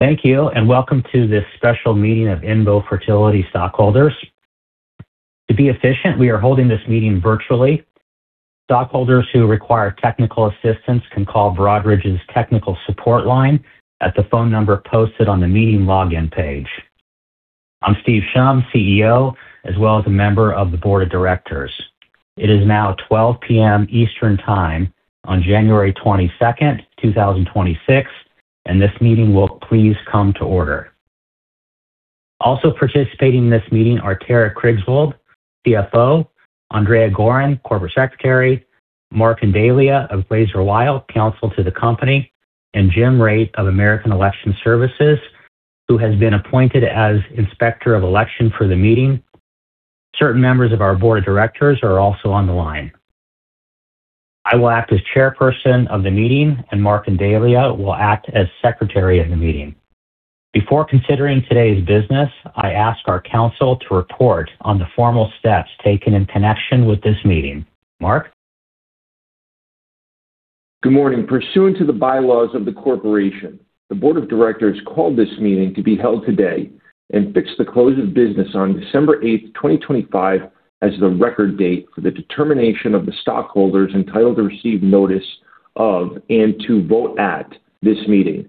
Thank you, and welcome to this special meeting of INVO Fertility Stockholders. To be efficient, we are holding this meeting virtually. Stockholders who require technical assistance can call Broadridge's technical support line at the phone number posted on the meeting login page. I'm Steve Shum, CEO, as well as a member of the board of directors. It is now 12:00 P.M. Eastern Time on January 22nd, 2026, and this meeting will please come to order. Also participating in this meeting are Tara Kriegswald, CFO, Andrea Goren, Corporate Secretary, Marc Indeglia of Glaser Weil, counsel to the company, and Jim Raitt of American Election Services, who has been appointed as Inspector of Election for the meeting. Certain members of our board of directors are also on the line. I will act as Chairperson of the meeting, and Marc Indeglia will act as Secretary of the meeting. Before considering today's business, I ask our counsel to report on the formal steps taken in connection with this meeting. Marc? Good morning. Pursuant to the bylaws of the corporation, the board of directors called this meeting to be held today and fixed the close of business on December 8th, 2025, as the record date for the determination of the stockholders entitled to receive notice of and to vote at this meeting.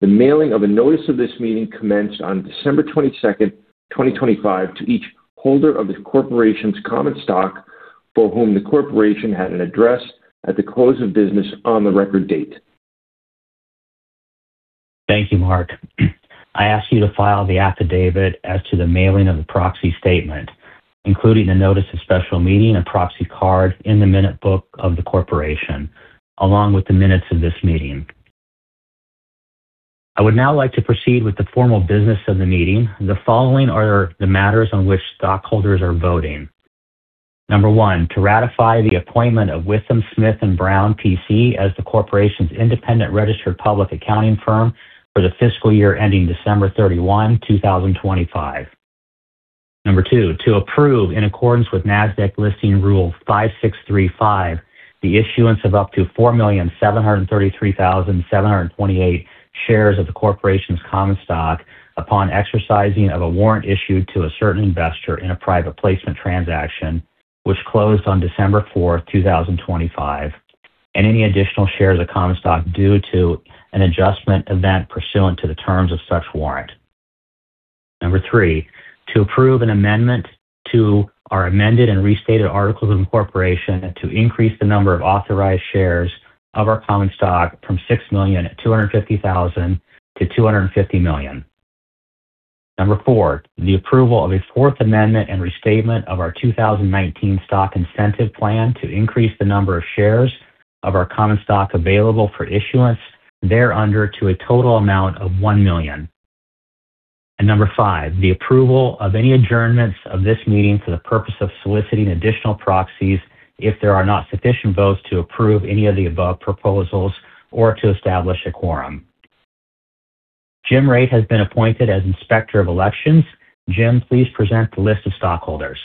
The mailing of a notice of this meeting commenced on December 22nd, 2025, to each holder of the corporation's common stock for whom the corporation had an address at the close of business on the record date. Thank you, Marc. I ask you to file the affidavit as to the mailing of the proxy statement, including the notice of special meeting and proxy card in the minute book of the corporation, along with the minutes of this meeting. I would now like to proceed with the formal business of the meeting. The following are the matters on which stockholders are voting: Number 1, to ratify the appointment of WithumSmith+Brown, PC, as the corporation's independent registered public accounting firm for the fiscal year ending December 31, 2025. Number 2, to approve, in accordance with Nasdaq Listing Rule 5635, the issuance of up to 4,733,728 shares of the corporation's Common Stock upon exercising of a Warrant issued to a certain investor in a Private Placement transaction, which closed on December 4th, 2025, and any additional shares of Common Stock due to an adjustment event pursuant to the terms of such Warrant. Number 3, to approve an amendment to our Amended and Restated Articles of Incorporation to increase the number of authorized shares of our Common Stock from 6,250,000 to 250,000,000. Number 4, the approval of a Fourth Amendment and restatement of our 2019 Stock Incentive Plan to increase the number of shares of our Common Stock available for issuance thereunder to a total amount of 1,000,000. Number five, the approval of any adjournments of this meeting for the purpose of soliciting additional proxies if there are not sufficient votes to approve any of the above proposals or to establish a quorum. Jim Raitt has been appointed as Inspector of Elections. Jim, please present the list of stockholders.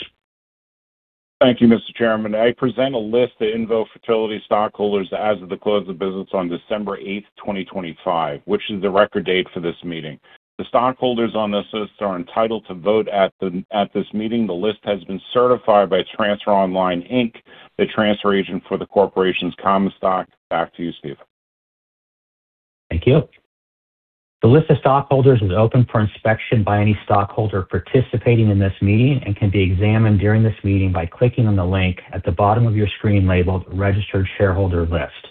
Thank you, Mr. Chairman. I present a list of INVO Fertility stockholders as of the close of business on December 8th, 2025, which is the record date for this meeting. The stockholders on this list are entitled to vote at this meeting. The list has been certified by Transfer Online, Inc., the transfer agent for the corporation's common stock. Back to you, Steve. Thank you. The list of stockholders is open for inspection by any stockholder participating in this meeting and can be examined during this meeting by clicking on the link at the bottom of your screen labeled "Registered Shareholder List."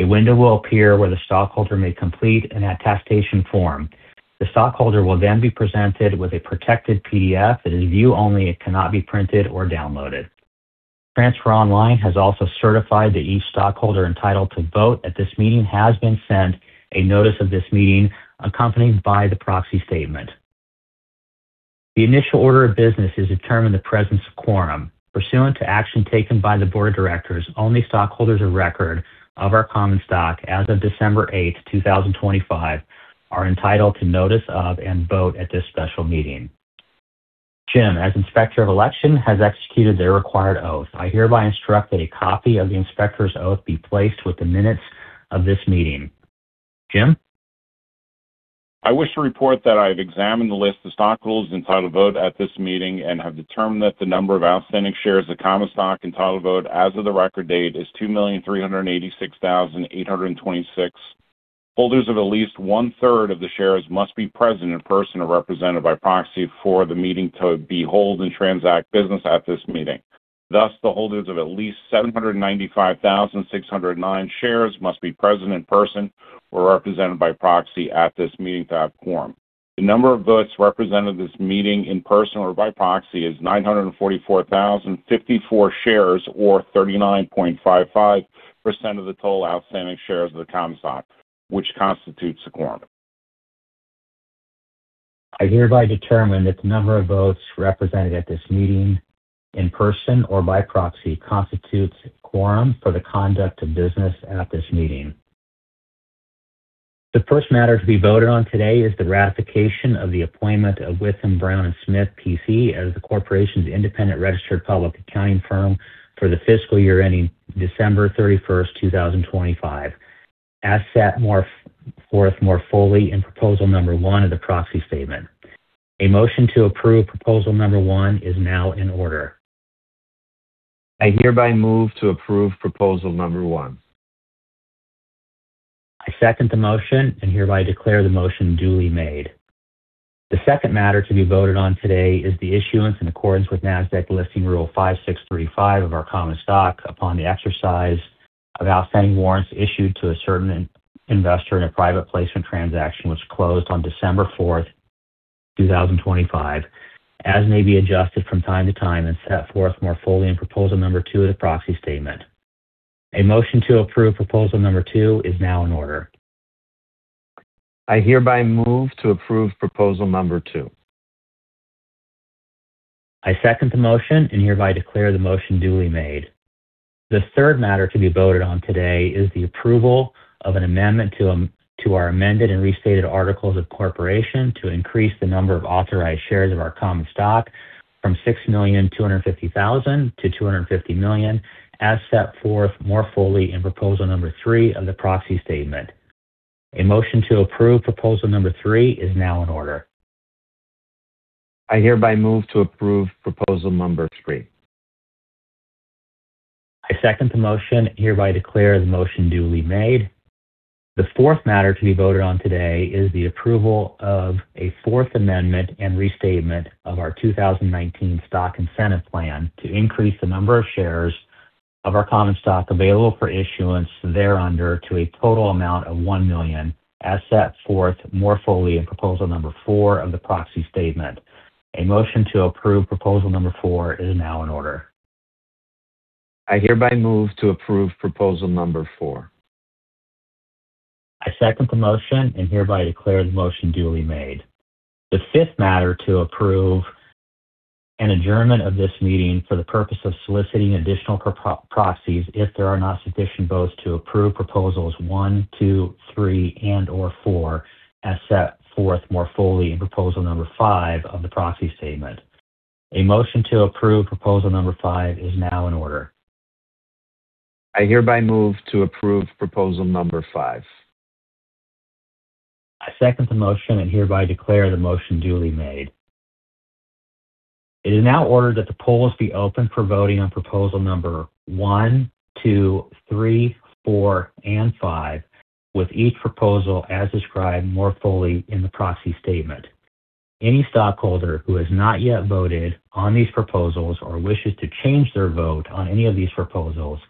A window will appear where the stockholder may complete an attestation form. The stockholder will then be presented with a protected PDF that is view-only and cannot be printed or downloaded. Transfer Online has also certified that each stockholder entitled to vote at this meeting has been sent a notice of this meeting accompanied by the proxy statement. The initial order of business is to determine the presence of quorum. Pursuant to action taken by the board of directors, only stockholders of record of our common stock as of December 8th, 2025, are entitled to notice of and vote at this special meeting. Jim, as Inspector of Election, has executed their required oath. I hereby instruct that a copy of the Inspector's oath be placed with the minutes of this meeting. Jim? I wish to report that I have examined the list of stockholders entitled to vote at this meeting and have determined that the number of outstanding shares of common stock entitled to vote as of the record date is 2,386,826. Holders of at least one-third of the shares must be present in person or represented by proxy for the meeting to be held to transact business at this meeting. Thus, the holders of at least 795,609 shares must be present in person or represented by proxy at this meeting to have quorum. The number of votes represented at this meeting in person or by proxy is 944,054 shares or 39.55% of the total outstanding shares of the common stock, which constitutes the quorum. I hereby determine that the number of votes represented at this meeting in person or by proxy constitutes quorum for the conduct of business at this meeting. The first matter to be voted on today is the ratification of the appointment of WithumSmith+Brown, PC, as the corporation's independent registered public accounting firm for the fiscal year ending December 31st, 2025, as set forth more fully in proposal number one of the proxy statement. A motion to approve proposal number one is now in order. I hereby move to approve proposal number one. I second the motion and hereby declare the motion duly made. The second matter to be voted on today is the issuance in accordance with Nasdaq Listing Rule 5635 of our common stock upon the exercise of outstanding warrants issued to a certain investor in a private placement transaction, which closed on December 4th, 2025, as may be adjusted from time to time and set forth more fully in proposal number two of the proxy statement. A motion to approve proposal number two is now in order. I hereby move to approve proposal number two. I second the motion and hereby declare the motion duly made. The third matter to be voted on today is the approval of an amendment to our Amended and Restated Articles of Incorporation to increase the number of authorized shares of our Common Stock from 6,250,000 to 250,000,000, as set forth more fully in proposal number three of the Proxy Statement. A motion to approve proposal number three is now in order. I hereby move to approve proposal number three. I second the motion and hereby declare the motion duly made. The fourth matter to be voted on today is the approval of a Fourth Amendment and restatement of our 2019 Stock Incentive Plan to increase the number of shares of our common stock available for issuance thereunder to a total amount of 1,000,000 as set forth more fully in proposal number four of the proxy statement. A motion to approve proposal number four is now in order. I hereby move to approve proposal number four. I second the motion and hereby declare the motion duly made. The fifth matter to approve an adjournment of this meeting for the purpose of soliciting additional proxies if there are not sufficient votes to approve proposals one, two, three, and/or four, as set forth more fully in proposal number five of the proxy statement. A motion to approve proposal number five is now in order. I hereby move to approve proposal number five. I second the motion and hereby declare the motion duly made. It is now ordered that the polls be opened for voting on proposal number one, two, three, four, and five, with each proposal as described more fully in the Proxy Statement. Any stockholder who has not yet voted on these proposals or wishes to change their vote on any of these proposals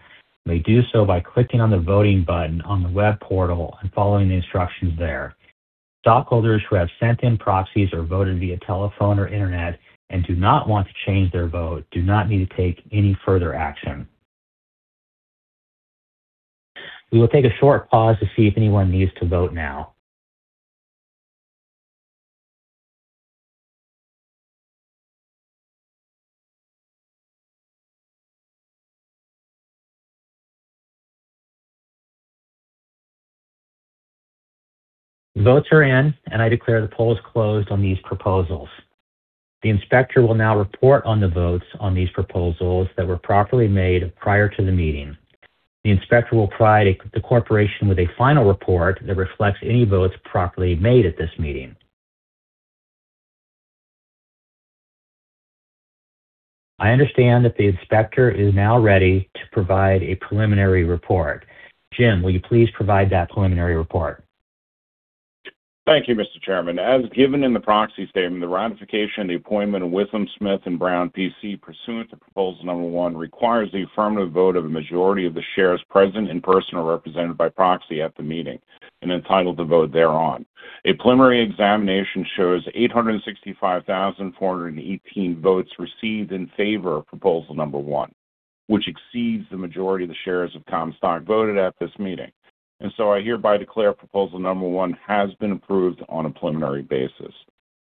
may do so by clicking on the voting button on the web portal and following the instructions there. Stockholders who have sent in proxies or voted via telephone or internet and do not want to change their vote do not need to take any further action. We will take a short pause to see if anyone needs to vote now. Votes are in, and I declare the polls closed on these proposals. The inspector will now report on the votes on these proposals that were properly made prior to the meeting. The inspector will provide the corporation with a final report that reflects any votes properly made at this meeting. I understand that the inspector is now ready to provide a preliminary report. Jim, will you please provide that preliminary report? Thank you, Mr. Chairman. As given in the proxy statement, the ratification of the appointment of WithumSmith+Brown, PC, pursuant to proposal number one, requires the affirmative vote of a majority of the shares present in person or represented by proxy at the meeting and entitled to vote thereon. A preliminary examination shows 865,418 votes received in favor of proposal number one, which exceeds the majority of the shares of common stock voted at this meeting, and so I hereby declare proposal number one has been approved on a preliminary basis.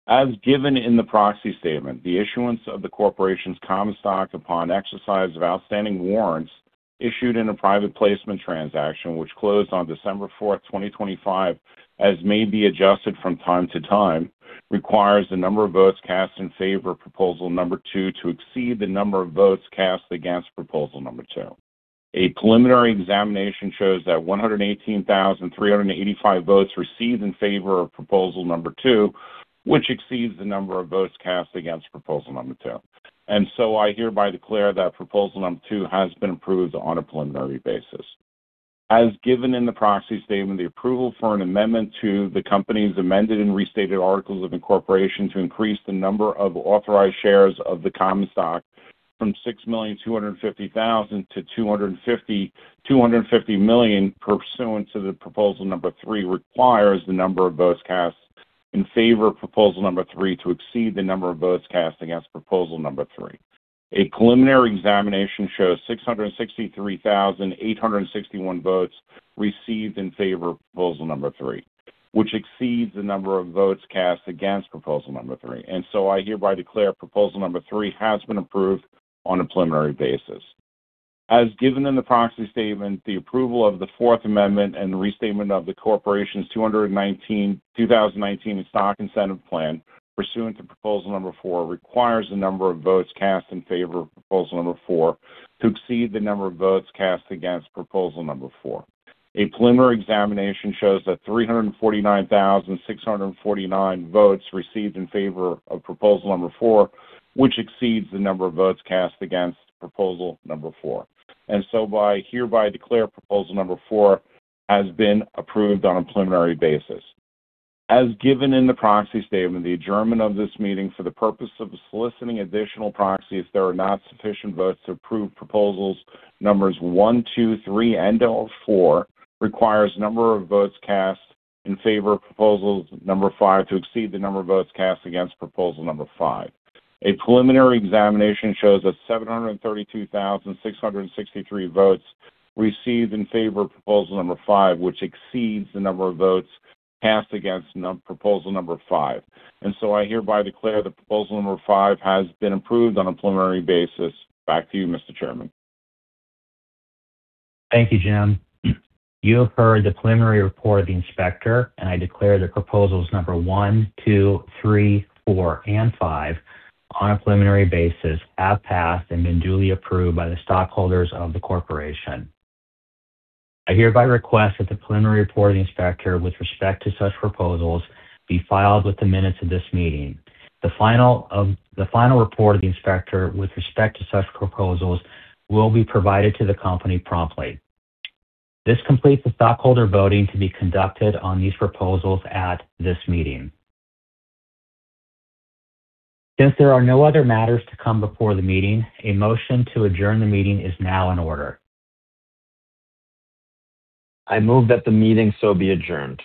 As given in the Proxy Statement, the issuance of the corporation's Common Stock upon exercise of outstanding Warrants issued in a Private Placement transaction, which closed on December 4th, 2025, as may be adjusted from time to time, requires the number of votes cast in favor of proposal number two to exceed the number of votes cast against proposal number two. A preliminary examination shows that 118,385 votes received in favor of proposal number two, which exceeds the number of votes cast against proposal number two, and so I hereby declare that proposal number two has been approved on a preliminary basis. As given in the Proxy Statement, the approval for an amendment to the company's amended and restated Articles of Incorporation to increase the number of authorized shares of the Common Stock from 6,250,000 to 250,000,000 pursuant to Proposal Number Three requires the number of votes cast in favor of Proposal Number Three to exceed the number of votes cast against Proposal Number Three. A preliminary examination shows 663,861 votes received in favor of Proposal Number Three, which exceeds the number of votes cast against Proposal Number Three. And so I hereby declare Proposal Number Three has been approved on a preliminary basis. As given in the proxy statement, the approval of the Fourth Amendment and the restatement of the corporation's 2019 Stock Incentive Plan pursuant to proposal number four requires the number of votes cast in favor of proposal number four to exceed the number of votes cast against proposal number four. A preliminary examination shows that 349,649 votes received in favor of proposal number four, which exceeds the number of votes cast against proposal number four, and so I hereby declare proposal number four has been approved on a preliminary basis. As given in the proxy statement, the adjournment of this meeting for the purpose of soliciting additional proxies if there are not sufficient votes to approve proposals numbers one, two, three, and/or four requires the number of votes cast in favor of proposal number five to exceed the number of votes cast against proposal number five. A preliminary examination shows that 732,663 votes received in favor of proposal number five, which exceeds the number of votes cast against proposal number five, and so I hereby declare that proposal number five has been approved on a preliminary basis. Back to you, Mr. Chairman. Thank you, Jim. You have heard the preliminary report of the inspector, and I declare that proposals number one, two, three, four, and five on a preliminary basis have passed and been duly approved by the stockholders of the corporation. I hereby request that the preliminary report of the inspector with respect to such proposals be filed with the minutes of this meeting. The final report of the inspector with respect to such proposals will be provided to the company promptly. This completes the stockholder voting to be conducted on these proposals at this meeting. Since there are no other matters to come before the meeting, a motion to adjourn the meeting is now in order. I move that the meeting be adjourned.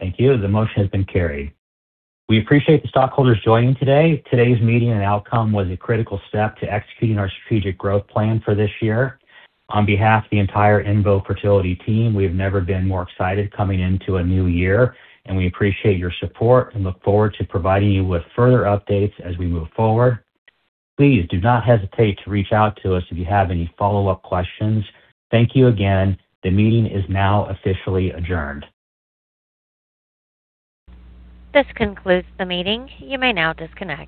Thank you. The motion has been carried. We appreciate the stockholders joining today. Today's meeting and outcome was a critical step to executing our strategic growth plan for this year. On behalf of the entire INVO Fertility team, we have never been more excited coming into a new year, and we appreciate your support and look forward to providing you with further updates as we move forward. Please do not hesitate to reach out to us if you have any follow-up questions. Thank you again. The meeting is now officially adjourned. This concludes the meeting. You may now disconnect.